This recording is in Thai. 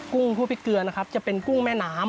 คั่วพริกเกลือนะครับจะเป็นกุ้งแม่น้ำ